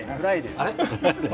あれ？